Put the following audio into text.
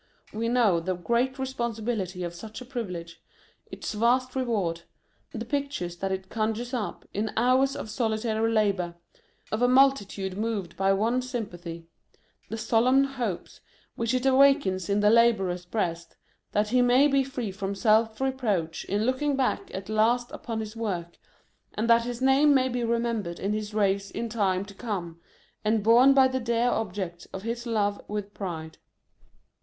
We know the great responsibility of such a privilege ; its vast reward ; the pictures that it conjures up, in hours of solitary labour, of a mul titude moved by one sympathy ; the solemn hopes which it awakens in the labourer's breast, that he may be free from self reproach in looking back at last upon his work, and that his name may be remembered in his race in time to come, and borne by the dear objects of his love with pride.